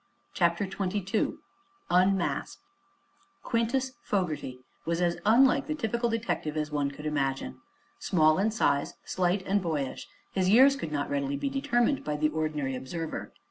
CHAPTER XXII UNMASKED Quintus Fogerty was as unlike the typical detective as one could imagine. Small in size, slight and boyish, his years could not readily be determined by the ordinary observer.